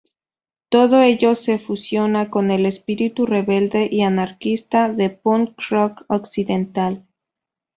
Todo ello se fusiona con el espíritu rebelde y anarquista del punk-rock occidental.